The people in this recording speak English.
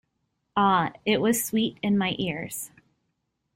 Ah, it was sweet in my ears.